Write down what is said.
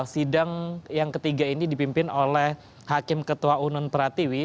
sidang yang ketiga ini dipimpin oleh hakim ketua unun pratiwi